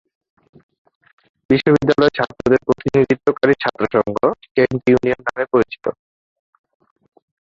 বিশ্ববিদ্যালয়ের ছাত্রদের প্রতিনিধিত্বকারী ছাত্র সংঘ "কেন্ট ইউনিয়ন" নামে পরিচিত।